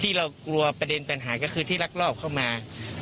ที่เรากลัวประเด็นปัญหาก็คือที่ลักลอบเข้ามา